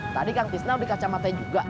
bojak tadi kang tisna beli kacamatanya juga